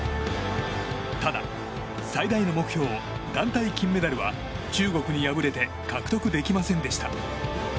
ただ、最大の目標団体金メダルは中国に敗れて獲得できませんでした。